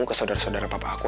ke saudara saudara papa aku